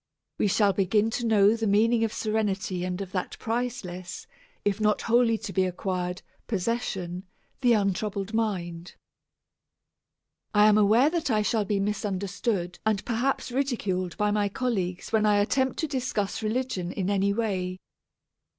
We shall begin to know the meaning of serenity and of that priceless, if not wholly to be acquired, possession, the untroubled mind. I am aware that I shall be misunderstood and perhaps ridiculed by my colleagues when I attempt to discuss religion in any way.